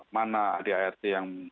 mana di art yang